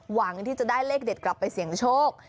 หวังที่จะได้เลขเด็ดกลับไปเสี่ยงโชค